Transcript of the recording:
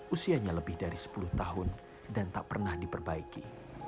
usianya lebih dari sepuluh tahun dan tak pernah diperbaiki